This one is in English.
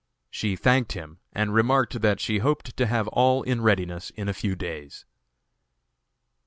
She thanked him, and remarked that she hoped to have all in readiness in a few days.